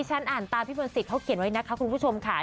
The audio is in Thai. ฉันอ่านตามพี่มนตรีเขาเขียนไว้นะคะคุณผู้ชมค่ะ